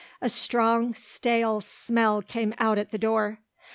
A strong, stale smell came out at the door.